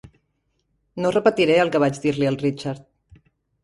No repetiré el que vaig dir-li al Richard.